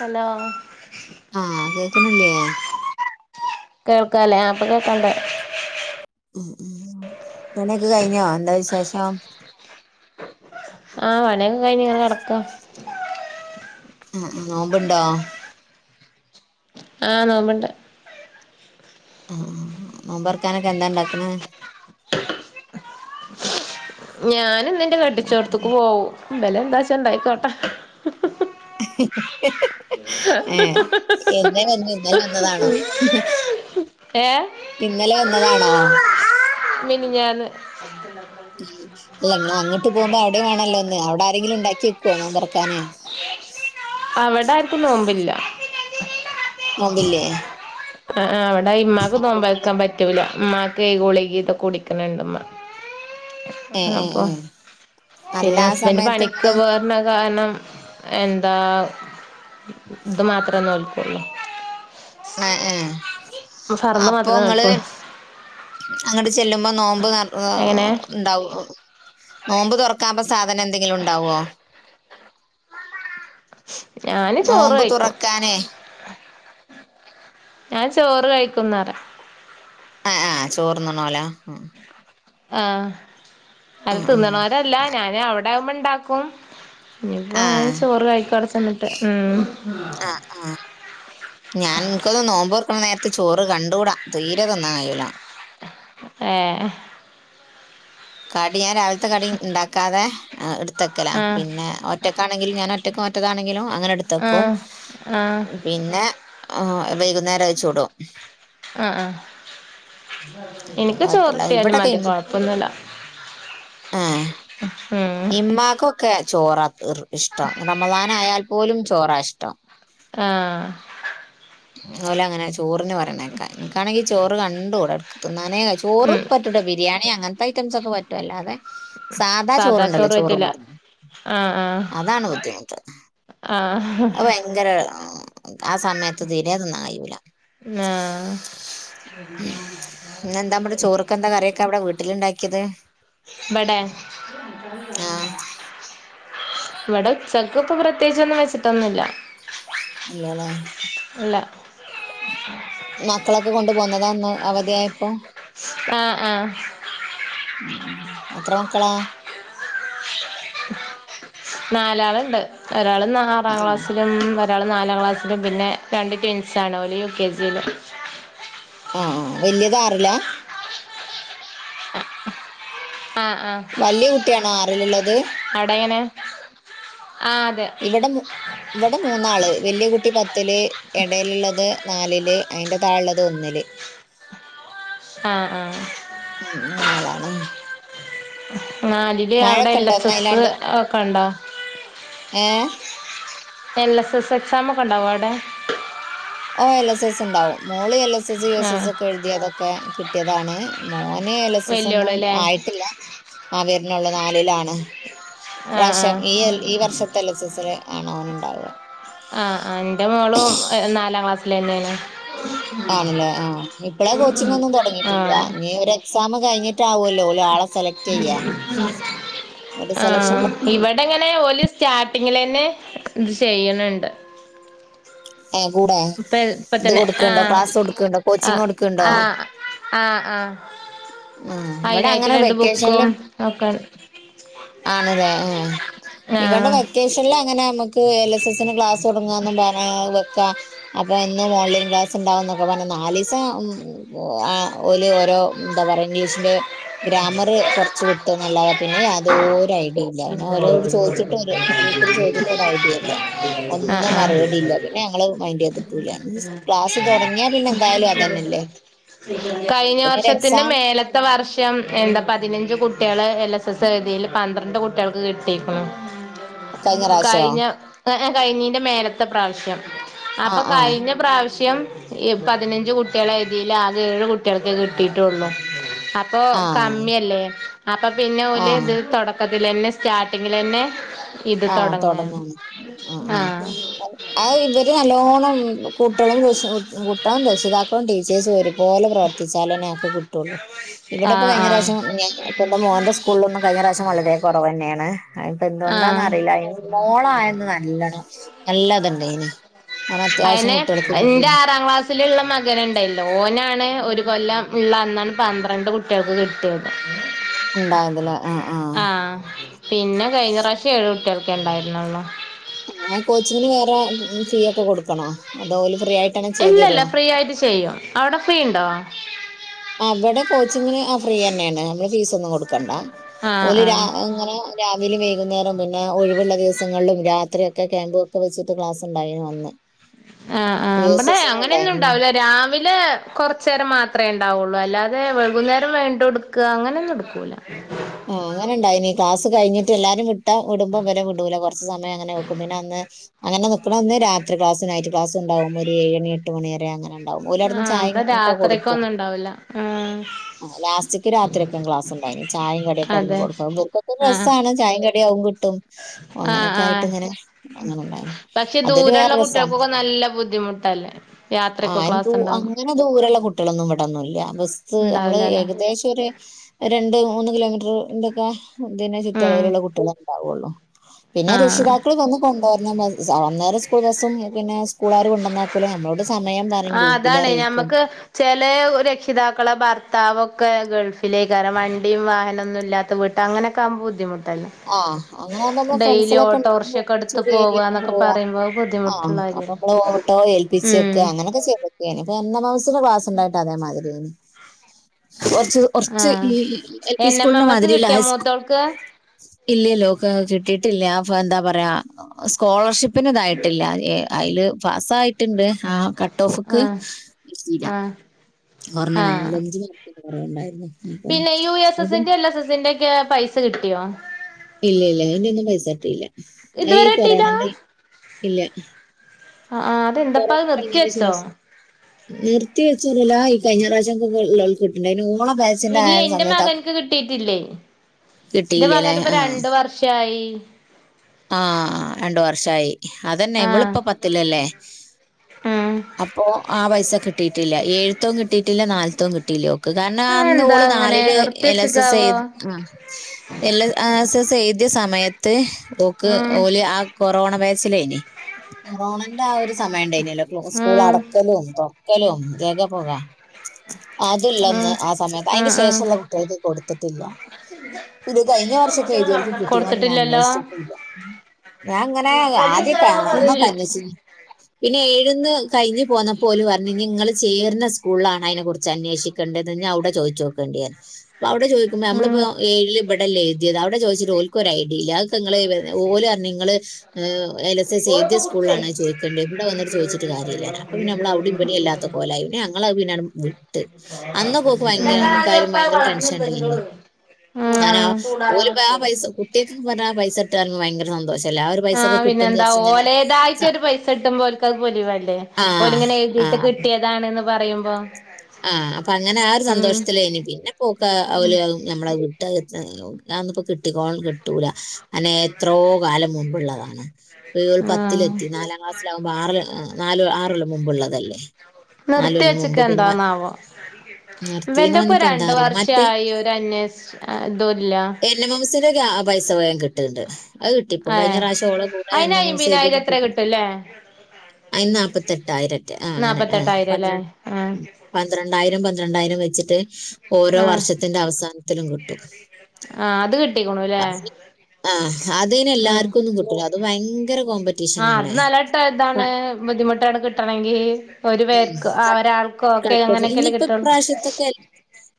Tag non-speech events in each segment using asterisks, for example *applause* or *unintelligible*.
Hello ആഹ് കേക്കണില്ലേ? കേൾക്കല്ലേ അപ്പൊ കേൾക്കണ്ട് ഉം ഉം പണിയെക്കൊ കഴിഞ്ഞോ എന്താ വിശേഷം? ആഹ് പണിയൊക്കെ കഴിഞ്ഞ് ഇങ്ങനെ കിടക്ക ഉം ഉം നോമ്പുണ്ടാ? ആഹ് നോമ്പിണ്ട് ആഹ് ആ നോമ്പൊറക്കാനൊക്കെ എന്താ ഇണ്ടാക്കണേ? ഞാനും ഇന്നെന്റെ കെട്ടിച്ചോട്ത്തേക്ക് പോകും മ്പലം എന്താച്ച ഇണ്ടായിക്കോട്ട ഹ് ഹ് ഹ് ഹി ഹി ഹി ഹ് ഹി ഹ് ആ എന്നാ വന്നേ ഇന്നലെ വന്നതാണോ? ഏ ഇന്നലെ വന്നതാണോ? മിനിഞ്ഞാന്ന്‌ ഉം അല്ല നിങ്ങള് അങ്ങട്ട് പോകുമ്പോ അവിടെ ടെമാണല്ലോന്ന്‌ അവിടെ ആരെങ്കിലും ഉണ്ടാക്കിവെക്കുവോ നോമ്പൊറക്കാന് അവിട ആർക്കും നോമ്പില്ല നോമ്പില്ലേ? ആ അവിടെ ഇമ്മാക്ക് നോമ്പേക്കാൻ പറ്റൂല ഉമ്മാക്കെ ഗുളിക ഒക്കെ പൊടിക്കനുണ്ടു ഉമ്മ ഏഹ് ഏഹ് അപ്പൊ ഏഹ് അല്ല പിന്നെ ആ ഹസ്ബൻഡ് സമയത്ത് പണിക്ക് നിങ്ങള് പോർണ കാരണം എന്താ ഇത് മാത്രേ നോല്പ്പുള്ളൂ ആ, ആ ഫർദ് അപ്പൊ മാത്രമേ നിങ്ങള് നോൽക്കുള്ളൂ അങ്ങോട്ട് ചെല്ലുമ്പോ നോമ്പ് എങ്ങനെ ഉണ്ടാവും നോമ്പ് തുറക്കാ സാധനം എന്തെങ്കിലും ഉണ്ടാവോ ഞാന് ചോറ് നോമ്പ് കഴിക്കും തുറക്കാനേ ഞാൻ ചോറ് കഴിക്കുന്ന ചോറ് *unintelligible* ആ, അത് ആ തിന്നണവരല്ല ഞാന് അവിടെ ആവുമ്പോ ഇണ്ടാക്കും ഇനിപ്പോ ആ ഞാൻ ചോറ് കഴിക്കും അവിടെ ചെന്നിട്ട് ആ ആ ഞാൻ എനിക്കൊന്ന് നോമ്പ് ത്ത് ചോറ് കണ്ടൂടാ, തീര തന്ന കായൂല ഏ കാടി ഞാൻ രാവിലത്തെ കടി ഉണ്ടാക്കാതെ എടുത്തക്കല ആഹ് പിന്നെ ഒറ്റക്കാണെങ്കിൽ ഞാൻ ഒറ്റ മറ്റതാണെങ്കിലും അങ്ങനെ എടുത്തപ്പം ആഹ് ആഹ് പിന്നെ ആ വൈകുന്നേരം അഴിച്ചു വിടും ആ, ആ, എനിക്ക് ചോറികിട്ടിയാലും മതി കൊഴപ്പൊന്നില്ല ആ ഉം ഇമാക്കൊക്കെ ചോറത്ത് ഇഷ്ടം റമദാൻ ആയാാൽ പോലും ചോറാ ഇഷ്ടം ആ അതുപോലെ അങ്ങനെ ചോറിന് പറയണ കേൾക്കാം, എനിക്കാണെങ്കിൽ ചോറ് കണ്ടു കൂട ചോറും ഉം പറ്റൂട്ടെ ബിരിയാണി അങ്ങനത്തെ ഐറ്റംസ് ഒക്കെ പറ്റുവല്ലോ അല്ലാതെ സാധാ സത്ത് ചോറുണ്ടല്ലോ ചോറ് ഉണ്ണും ആഹ് അതാണ് ബുദ്ധിമുട്ട്, ആഹ് അ ഭയങ്കര ആ, ആ സമയത്ത് തീരെ നന്നായുല ആഹ് ഇന്ന് എന്താ നമ്മുടെ ചോറക്കെന്താ കറൊക്കെ അവിടെ. വീട്ടില ഉണ്ടാക്കിയത് ഇവടെ ആഹ് ഇവിടെ ഉച്ചക്ക് ഇപ്പ പ്രത്യേകിച്ചൊന്നും വെച്ചിട്ടൊന്നുമില്ല. ഇല്ലല്ലേ മക്കളൊക്കെ കൊണ്ട പോന്നതാന്ന് അവധിയായപ്പോ ഉം, ഉം എത്ര മക്കളാ നാലാളുണ്ട്, ഒരാള് ആറാം ആഹ് ക്ലാസ്സിലും ഒരാൾ നാലാം ക്ലാസ്സിലും, പിന്നെ രണ്ട് ടിൻസ് ആണ ഓല്‌ യു കെ ജിയിലും ആ വല്യത് ആറിലാ ആ ആ വല്യ കുട്ടിയാണോ ആറിലുള്ളത് അവടെ എങ്ങനെ *unintelligible* ഇവിടെ ഇവിടെ മൂന്നാള് വലിയ കുട്ടി പത്തില്ല്, ഇടയിലുള്ളത് നാലില്, അയിന്റെ താഴെ ഉള്ളത് ഒന്നില് ആഹ് ആഹ് ഉം, മകളണോ നാലില് അവിടെ എൽ എസ് ഒന്ന് എസ് അയിലാണ്ട് ഒക്കെണ്ടോ ഏ എൽ എസ് എസ് എക്സാം ഒക്കെ ഉണ്ടാവോ അവിടെ. ഓ എൽ എസ് എസ് ഉണ്ടാവും, മോള് L S L, S S, U S S ആഹ് ഒക്കെ എഴുതി അതൊക്കെ കിട്ടിയതാണ് മോന് എൽ എസ് എസ് ഒന്നും വല്യോള്ല്ലേ ആയിട്ടില്ല ആ വീറിനുള്ള നാലിലാണ് ആഹ് പ്രാവശ്യം ആഹ് ഈ ഈ വർഷത്തെ എൽ, എസ്, എസ് ഉണ്ട് ആണ് അവനുണ്ടാവുക ആ, എന്റെ മോളും നാലാം ക്ലാസ്സിലന്നെ ആണ്. ആണല്ലേ ആഹ ഇപ്പളെ കോച്ചിംഗൊന്നും തുടങ്ങിട്ടില്ല ആഹ് ഇനി ഒരു എക്സാം കഴിഞ്ഞ്ട്ട് ട്ട് ആവോല്ലോ ഓല് ആളെ സെലക്ട്‌ ചെയ്യാ ഒരു സെലക്ഷൻ ആഹ് ഇവിടെങ്ങനെ ഓല് സ്റ്റാർട്ടിങ്ങിൽ തന്നെ ഇത് ചെയ്യണുണ്ട് ഏ കൂടെ ഇപ്പ ഇത് ഇപ്പത്തന്നെ ആ കൊടുക്കണ്ടോ ക്ലാസ് കൊടുക്കണ്ടോ ആ് കോച്ചിങ് കൊടുക്കണ്ടോ ആ ആ ആ ഉം ഇവിടെ അതിനതിനായിട്ട് അങ്ങനെ രണ്ട് ബുക്കും ഒക്കെ ആണ്ലെ എ ഇവടെ ആഹ് വെക്കേഷനിൽ അങ്ങനെ നമുക്ക് എൽ എസ് എസ്സിന് ക്ലാസ് തുടങ്ങാന്നും പറ *unintelligible* ക അപ്പം എന്നു ഓൺലൈൻ ക്ലാസ്സുണ്ടാവുന്നൊക്കെ പറഞ്ഞു നാലിസാം അ *unintelligible* ഓല് ഓരോ എന്താ പറയ ഇംഗ്ലീഷിന്റെ ഗ്രാമർ കുറച്ച് വിട്ട നല്ലാതെ പിന്നെ യാതൊരു ഐഡില്ല ഞാന് ഓലോട് ചോദിച്ചിട്ട് ഗ്രൂപ്പില് ചോദിച്ചിട്ട് ഒരു ഐഡിയ ഇല്ല ആഹ് ഒന്നും ആഹ് മറുപടില്ല പിന്നെ ഞങ്ങള് മൈന്ഡ് ചെയ്തിട്ടൂല ക്ലാസ് തുടങ്ങിയാ പിന്നെ എന്തായാലും അതന്നെല്ലേ കഴിഞ്ഞ വർഷത്തിന്റെ മേലത്തെ വർഷം എന്താ പതിനഞ്ച് കുട്ടികള് L S S എഴുതിയതിൽ പന്ത്രണ്ട് കുട്ടികൾക്ക് കിട്ടിക്ക്ണു കഴിഞ്ഞ കഴിഞ്ഞീന്റെ മേലത്തെ പ്രാവശ്യം ആ അപ്പൊ ആ കഴിഞ്ഞ പ്രാവശ്യം ഈ പതിനഞ്ച് കുട്ടികളെ എഴുതി ല്ല അത് ഏഴ് കുട്ടികൾക്കെ കിട്ടിട്ടുള്ളു അപ്പൊ ആ കമ്മിയല്ലേ അപ്പൊ പിന്നെ ആ ഓല് ഇത് തുടക്കത്തില്ലന്നെ സ്റ്റാർട്ടിങ്ങിലന്നെ ഇത് ആഹ് തുടങ്ങാണ് തുടങ്ങും അ ആഹ് ആഹ് ഇവര് നല്ലോണം കുട്ടളും കുട്ടളും രക്ഷിതാക്കളും ടീച്ചേഴ്സും ഒരുപോലെ പ്രവർത്തിച്ചാലന്നെ കിട്ടുള്ളു ഇവിടെ ഇപ്പം ആഹ് കഴിഞ്ഞ ആഹ് പ്രാവശ്യം ഞാൻ എന്റെ മോന്റെ സ്കൂളിലൊന്നും കഴിഞ്ഞ പ്രാവശ്യം വളരെ കുറവ് തന്നെയാണ് അതിപ്പോ എന്ത്കൊണ്ടന്നാ ആഹ് അറിയില്ല ഇനി മോള് ആയെന്ന് നല്ലണം നല്ലതുണ്ടായിനി അതന്നെ ന്റെ ആറാം ക്ലാസ്സിലുള്ള മകന് ണ്ടല്ലോ ഓനാണ് ഒരു കൊല്ലം ഉള്ള അന്നാണ് പന്ത്രണ്ട് കുട്ടികൾക്ക് കിട്ടിയത് ഉണ്ടായതില് ആ ആ ആഹ് പിന്നെ കഴിഞ്ഞ പ്രാവശ്യം ഏഴ് കുട്ടികൾക്കെ ഉണ്ടായിരുന്നുള്ളോ ആ കോച്ചിങ്ങിന് വേറെ ഫീ ഒക്കെ കൊടുക്കണോ അതോല് ഇല്ല ഇല്ല ഫ്രീ ആയിട്ട് ചെയ്യും അവിടെ ഫ്രീ ഉണ്ടോ അവിടെ കോച്ചിംഗിന് ആ ഫ്രീ തന്നെണ് നമ്മള് ഫീസ് ഒന്നും കൊടുക്കണ്ട ആഹ് ഓല് രാ ആഹ് അങ്ങനെ രാ *unintelligible* വൈകുന്നേരം പിന്നെ ഒഴിവുള്ള ദിവസങ്ങളിലും രാത്രി ഒക്കെ ക്യാമ്പും ഒക്കെ വച്ചിട്ട് ക്ലാസ് ഉണ്ടായിന് അന്ന് ആഹ് ആഹ് യു എസ് ഇവടെ എസിനും അങ്ങനൊന്നും ഉണ്ടായിരുന്നു ഉണ്ടാവുല രാവിലെ കൊർ ച്ചേരം മാത്രമേ ഉണ്ടാവുള്ളൂ അല്ലാതെ വൈകുന്നേരം വേണ്ടടുക്ക അങ്ങനൊന്നും എടുക്കൂല്ല ആഹ് അങ്ങനെ ഇണ്ടായിനി ക്ലാസ് കഴിഞ്ഞിട്ട് എല്ലാരും വി വിടുമ്പം ഇവരെ വിടൂല കുറച്ച് സമയം അങ്ങനെ വെക്കും പിന്നെ അന്ന് അങ്ങനെ നിക്കണ അന്ന് രാത്രി ക്ലാസ് നൈറ്റ് ക്ലാസ് ഉണ്ടാവും ഒരു ഏഴണി എട്ടു മണിവരെ അങ്ങനെ ഉണ്ടാവും ഓല് അവിടുന്ന് ആഹ് ചായ ഇവിടെ ഒക്കെ കൊടുക്കും രാത്രിക്കൊന്നും ഇണ്ടാവില്ല ആഹ് ലാസ്റ്റ്ക്ക് രാത്രിക്കെ ക്ലാസ് ഉണ്ടായിന് ചായും കടി *unintelligible* അതെ കൊടുക്കുക്കത്തി ആഹ് രസാണ് ചായിം കടിം അഹും *unintelligible* ആഹ് അങ്ങനെയൊക്കെ ആഹ് ആയിട്ട്ങ്ങനെ അങ്ങനെണ്ടായിന് പക്ഷെ അത് വേറെ ദൂരെയുള്ള രസാ കുട്ടികൾക്കൊക്കെ നല്ല ബുദ്ധിമുട്ടല്ലേ ആ രാത്രിയൊക്കെ *unintelligible* ക്ലാസ് ഉണ്ടാവും അങ്ങനെ ദൂരള്ള കുട്ടികളൊന്നും വിടൊന്നുംല്ല ബസ് നമ്മള് ഉണ്ടാവില്ലല്ലേ ഏകദേശരു രണ്ട് മൂന്ന് കിലോമീറ്റർന്തൊക്കെ ചുറ്റ ഉം അളവിലുള്ള കുട്ടികളെ ഉണ്ടാവുള്ളൂ പിന്നെ ആഹ് രക്ഷിതാക്കൾ വന്നു കൊണ്ടുവരണം അന്നേരം സ്കൂൾ ബസ്സും പിന്നെ സ്കൂളുകാര് കൊണ്ടുവന്ന ആ അതാണ് ഞമ്മക്ക് ചെലെ രക്ഷിതാക്കളെ ഭർത്താവ് ഒക്കെ ഗൾഫിലയികാരം വണ്ടിയും വാഹനൊന്നും ഇല്ലാത്ത വീട് അങ്ങനൊക്കെ ആകുമ്പോ ബുദ്ധിമുട്ട് ആഹ് അങ്ങനെ ആകുമ്പോ നമ്മളെ ഡെയിലി ഫ്രണ്ട്സിലൊക്കെ ഓട്ടോ ഉണ്ടെങ്കിൽ റിഷൊക്കെ ഒരുമിച്ച് എടുത്ത് പോവന്നൊക്കെ പറയുമ്പോ ബുദ്ധിമുട്ടുള്ള അപ്പ കാര്യല്ലേ നമ്മൾ ഓട്ടോ ഉം ഏൽപ്പിച്ചൊക്കെ അങ്ങനെൊക്കെ ചെയ്തക്കെയാണ് അപ്പൊ എൻ മ്മ മ്മ സ് ന്റൊ ക്ലാസ് ണ്ടായിട്ട് അതേമാതിരിയെനി കുറച്ച് ആ കുറച്ച് ഈ എൽ പി എൻ എം സ്കൂളിന്റെ എം എസ് മാതിരിള്ള കിട്ടിയോ ഹൈ സ്കൂൾ മൂത്തോൾക്ക് ഇല്ലല്ലോ ഒക്കെ കിട്ടിയിട്ടില്ല അപ്പൊ എന്താ പറയാ സ്കോളർഷിപ്പ് പിന്നെ ഇതായിട്ടില്ല അതില് പാസായിട്ടുണ്ട് ആ കട്ട് ഓഫ് ആ ഒക്ക് ആ ഞ്ഞ ആ നാലഞ്ച് പറയണ്ടാരുന്നു പിന്നെ യു എസ് എസ്സിന്റെ എൽ എസ് എസ്സിന്റെ ഒക്കെ പൈസ കിട്ടിയോ ഇല്ല ഇല്ല അതിറെ ഒന്നും പൈസ കിട്ടിയില്ല അ ഈ ഇതുവരെ കിട്ടീല്ല കൊറോണന്റെ ഇല്ല ആ ആ് അതെന്താപ്പ അത് കൊറോണ നിർത്തി കഴിഞ്ഞതിന് വെച്ചോ ശേഷം നിർത്തി വെച്ചോറല്ലോ ഈ കഴിഞ്ഞ പ്രാവശ്യം ഒെള്ള കിട്ടണ്ട അയ്നു ഇല്ല എന്റെ മകനക്ക് കിട്ടീട്ടില്ലേ എന്റെ കിട്ടിയില്ല അല്ലെ മകന് ഇപ്പോ രണ്ട് വർഷമായി ആഹ രണ്ടു വർഷമായി അതെന്നെ ആഹ് ഇവിടിപ്പൊ പത്തില്ലല്ലേ അപ്പോ ആ പൈസ കിട്ടിയിട്ടില്ല ഏഴുത്തോും കിട്ടിയിട്ടില്ല നാല്ത്തോം കിട്ടിയില്ല ഓ കാരണം അന്ന് അതെന്താ ഓള് അങ്ങനെ നാലില് എൽ എസ് നിർത്തിവെച്ചക്കാവോ എസ് എ എസ് സമയത്ത് ക്ക് ഉം ആ കൊറോണ വൈറസ് ലായിനി കൊറോണന്റെ ആ ഒരു സമയംണ്ട ആരുനെലോ സ്കൂൾ ഉം അടക്കല ക്കലും ജഗ പൊക അതല്ല ഉം ഒന്ന് ആ സമയത്ത് ഉം അതിന് ഉം ശേഷമുള്ള കുട്ടികൾക്ക് കൊടുത്തിട്ടില്ല ഇത് കഴിഞ്ഞ വർഷൊക്കെഴുതിവർക്കും കിട്ടീനോന്ന് ഞാൻ കൊടുത്തിട്ടില്ലല്ലോ അന്വേഷിച്ചിട്ടു ഇല്ല ഞാൻ ഇങ്ങനെ ആദ്യക്കെ അന്നൊക്കെ ഇല്ല അനേഷിച്ചിനി പിന്നെ ഏഴ് ന്ന് കഴിഞ്ഞ് പോന്നപ്പോ ഓല് പറഞ്ഞ് ഇനി ഇങ്ങള് ചേരണ സ്കൂളിലാണ് അയിനെക്കുറിച്ച് അന്വേഷിക്കണ്ടത് ഇഞ്ഞി അവിടെ ചോ ചോക്യണ്ടേറഞ്ഞ് അവിടെ ചോദിക്കുമ്പ നമ്മളിപ്പോ ഉം ഏഴില് ഇവിടല്ലെ എഴ്തിയത്. അവിടെ ചോദിച്ചിട്ട് ഓൽക്കൊരു ഐഡിയ ഇല്ല. അതൊക്കെ ഇങ്ങള് ഇവ ഓല് പറഞ്ഞ് ഇങ്ങള് എൽ എസ് എസ് എഴ്തിയ സ്കൂളിലാണ് ചോയിക്കണ്ട്യേ ഇവടെ വന്ന്ട്ട് ചോയിച്ചിട്ട് കാര്യല്ലാനാ അപ്പൊ പിന്നെ നമ്മളവിടെയും ഇവിടെയും ഇല്ലാത്ത കോലായി. പിന്നെ ഞങ്ങളത് പിന്നാടെ വിട്ട് അന്നാ പോക്ക് ഭയങ്കര നമ്ക്കായാലും ഭയങ്കര ടെൻഷന്ണ്ട് ഇനി ഉം ഞാനാ ഓലിക്ക് ആ പൈസ കുട്ട്യേക്ക് പറഞ്ഞാ പൈസ കിട്ടാ ആഹ് പിന്നെന്താ വിചാരിച്ച് ഇങ്ങനെ ഓലേതായിട്ട് സ- ഒരു പൈസ കിട്ടുമ്പോ ഓര്ക്കത് പൊലിവ് വേണ്ടേ ആ ഓലിങ്ങനെ ആ എഴ്തീട്ട് കിട്ടിയതാണ്ന്ന് പറയുമ്പോ ആ അപ്പൊ അങ്ങനെ ആ ഒരു ഉം സന്തോഷത്തിലേനു. പിന്നെ പോക്ക അവല ഉം അതും നമ്മളത് വിട് ട്ട് അതൊന്നു ഇപ്പൊ കിട്ടിക്കോളണം കിട്ടൂല അന്നെ എത്രോ കാലം മുമ്പ്ള്ളതാണ്. ഇയ്യോൾ ആഹ് പത്തിലെത്തി. നാലാം ക്ലാസ്സിലാകുമ്പോ ആറ് ഈഹ് നാ ന്നാലോ ആറള് മുമ്പ്ള്ളതല്ലേ നിർത്തി വച്ചിക്ക എന്താന്നാവോ നിർത്തിയെന്ന് ഇവന്റെ ഇപ്പൊ പറഞ്ഞപ്പോ എന്താ രണ്ട് അറിയില്ല മറ്റേ വർഷായി. ഒരന്വേഷ് ഇതുല്ല ആ പൈസ വേഗം കിട്ടണ്ട് അത് കിട്ടിപ്പം. ഏ കഴിഞ്ഞ പ്രാശ്യം ഓള കൂടെ എൻ അയിന് എൻ ഓസി എഴ്തിയ അയിമ്പിനായിരം എത്ര കുട്ട്യേക്കും കിട്ടുംല്ലേ അയിൻ നാല്പത്തെട്ടായിരാറ്റെ ആ അങ്ങനെ ആ നാപ്പത്തെട്ടായിരം ല്ലേ പന്ത്രണ്ട് ആ ഉം പന്ത്രണ്ടായിരം പന്ത്രണ്ടായിരം വെച്ചിട്ട് ഓരോ ആ വർഷത്തിന്റെ അവസാനത്തിലും കിട്ടും ആ അത് കിട്ടിക്കുണുല്ലേ അത് ആഹ് അതയിന് എല്ലാർക്കൊന്നും കിട്ടൂല്ല. അത് ഭയങ്‌ ആഹ് അത് നലട്ട ഇതാണ് ബുദ്ധിമുട്ടാണ് കിട്ടണെങ്കി ഒരു പേർക്ക് ആ ഒരാൾക്കോ ഒക്കെ കട്ടജ്. അങ്ങനെയൊക്കെല്ലേ ഇനിയിപ്പൊ കിട്ടുള്ളൂ ഇപ്രാശ്യത്തൊക്കെ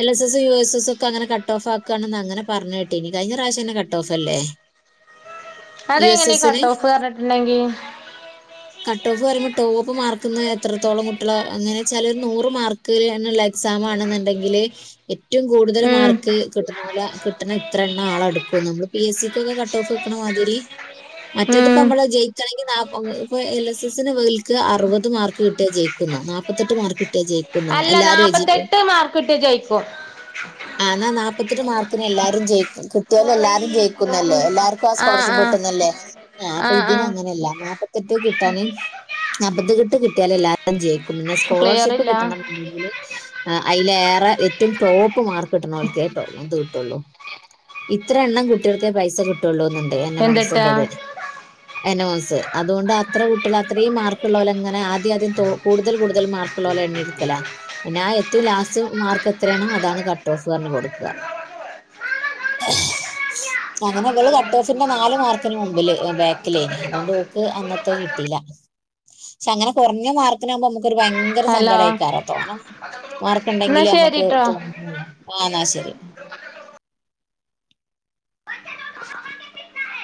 L S S U S S S ഒക്കെങ്ങനെ കട്ട് ഓഫ് ആക്കാണെന്ന് അങ്ങനെ പറഞ്ഞ് കേട്ടിന്. കഴിഞ്ഞ പ്രാശ്യന്നെ കട്ട് ഓഫ് അല്ലേ യു എസ് അതെങ്ങനെ എസിന് കട്ട് ഓഫ് പറഞ്ഞിട്ടുണ്ടെങ്കി കട്ട് ഓഫ് പറയുമ്പോ ടോപ്പ് മാർക്ക്ന്ന് എത്രത്തോളം കുട്ടികള് അങ്ങനെ ചെല നൂറ് മാർക്ക് എന്ന്ള്ള എക്സാമാണെന്ന്ണ്ടെങ്കില് ഏറ്റവും കൂടുതൽ ഉം മാർക്ക് കിട്ടുന്ന പോലെ കിട്ടണ ഇത്ര എണ്ണം ആളെടുക്കും നമ്മള് പി എസ് സി ക്കൊക്കെ കട്ട് ഓഫ് ക്ക്ണ്‌ മാതിരി മറ്റത്പ്പ ഉം നമ്മള് ജയിക്കണെങ്കി നാപ് ഇപ്പൊ എൽ എസ് എസ്സി ന് ഇവൽക്ക് അറുപത് മാർക്ക് കിട്ടിയ ജയിക്കുന്നോ നാപ്പത്തെട്ട് മാർക്ക് കിട്ടിയ ജയിക് അല്ല നാപ്പത്തെട്ട് മാർക്ക്‌ കിട്ടിയ ജയിക്കോ ആ എന്നാ നാപ്പത്തെട്ട് മാർക്കിന് എല്ലാരും ജയിക്കും കിട്ടിയാലും എല്ലാരും ജയിക്കുന്നല്ലേ. എല്ലാർക്കും ആ സ്കോളർഷിപ്പ് കിട്ടുന്നൽ ല്ലേ? ആ അപ്പൊ ഇതിനങ്ങനല്ല നാപ്പത്തെട്ട് കിട്ടാന് നാപ്പത്തി കിട്ട് കിട്ടിയാലെല്ലാ ജയിക്കുംന്നന്നെ. ക്ലിയർ സ്കോളർഷിപ്പ് ഇല്ല കിട്ടണംന്ന്ണ്ടെങ്കില് അയിലേറെ ഏറ്റം ടോപ് മാർക്ക് കിട്ടണോൽക്കെ ടോ ഇത് കിട്ടുള്ളൂ. ഇത്ര എണ്ണം കുട്ടികൾക്കേ പൈസ കിട്ടുള്ളൂ ന്ന്ണ്ട് എൻ എം ഓസി എന്തിട്ടാ ന്റത്. എൻ ഓസ്. അതുകൊണ്ട് അത്ര കുട്ടികള് അത്രയും മാർ ക്ക്ള്ളോലെ അങ്ങനെ ആദ്യാദ്യം കൂടുതൽ കൂടുതൽ മാർക്കുള്ളോലെ എണ്ണിയെടുക്കലാ. പിന്നെ ആ എ റ്റൊ ലാസ്റ്റ് മാർക്ക് എത്രയാണോ അതാണ് കട്ട് ഓഫ് പറഞ്ഞ് കൊടുക്കാ *inaudible* അങ്ങനെ ഇവള് കട്ട് ഓഫിന്റെ നാല് മാർക്കിന് മുമ്പില് ബാക്കിലേനി. അതുകൊണ്ട് ഓക്ക് അന്നത്തെ കിട്ടീല്ല പക്ഷെ അങ്ങനെ കൊറഞ്ഞ മാർക്കിനാകുമ്പോ അമ്മക്ക് ഒരു ഭയങ്കര ഹലോ സങ്കടായി തറ തോന മാർ എന്നാ മാർക്കുണ്ടെങ്കില് നമ്മക്ക് ശരിട്ടോ തോന്ന്ന്നയല്ലേ. ആഹ് എന്നാ ശരി *inaudible* അ